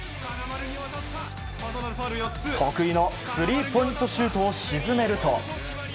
得意のスリーポイントシュートを沈めると。